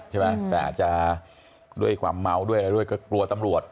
ใช่ปะแต่อาจจะด้วยความเมาด้วยก็กลัวตำรวจ